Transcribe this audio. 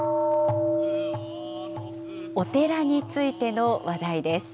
お寺についての話題です。